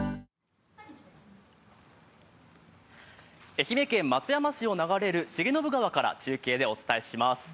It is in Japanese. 愛媛県松山市を流れる重信川からお伝えします。